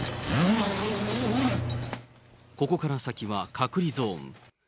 ここから先は隔離ゾーン。